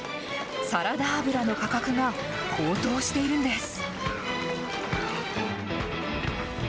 サラダ油の価格が高騰しているんです。